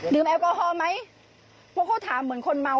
แอลกอฮอลไหมเพราะเขาถามเหมือนคนเมา